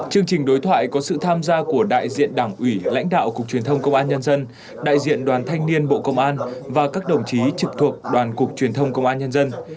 chương trình đối thoại có sự tham gia của đại diện đảng ủy lãnh đạo cục truyền thông công an nhân dân đại diện đoàn thanh niên bộ công an và các đồng chí trực thuộc đoàn cục truyền thông công an nhân dân